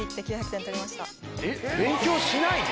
勉強しないで？